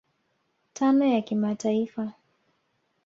tano ya kimataifa